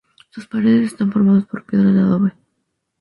Sus paredes están formadas por piedras de adobe.